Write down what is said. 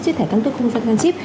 cái thẻ căn cức công dân căn chip